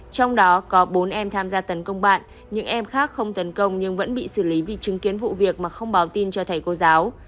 trong đó có bốn em tham gia tấn công bạn những em khác không tấn công nhưng vẫn bị xử lý vì chứng kiến vụ việc mà không báo tin cho thầy cô giáo